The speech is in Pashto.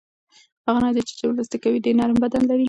هغه نجلۍ چې جمناسټیک کوي ډېر نرم بدن لري.